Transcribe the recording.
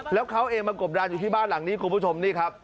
แล้วเขาเองมากบร้านอยู่ที่บ้านหลังนี้ครับคุณผู้ชม